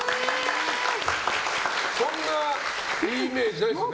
そんなイメージないですよね。